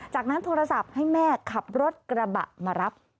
จากนั้นโทรศัพท์ให้แม่ขับรถกระบะมารับ